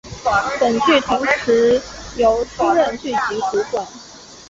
本剧同时由出任剧集主管。